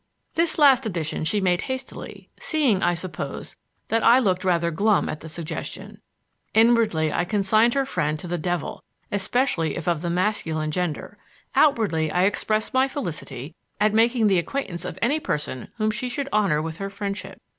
This last addition she made hastily, seeing, I suppose, that I looked rather glum at the suggestion. Inwardly I consigned her friend to the devil, especially if of the masculine gender; outwardly I expressed my felicity at making the acquaintance of any person whom she should honor with her friendship.